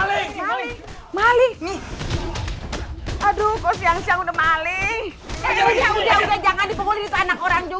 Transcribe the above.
hai mali nih aduh kau siang siang udah maling jangan jangan itu anak orang juga